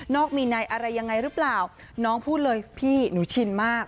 มีในอะไรยังไงหรือเปล่าน้องพูดเลยพี่หนูชินมาก